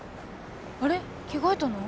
あれ着替えたの？